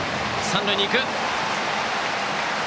三塁に行く！